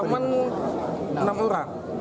teman enam orang